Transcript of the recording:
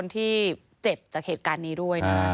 ที่เจ็บจากเหตุการณ์นี้ด้วยนะ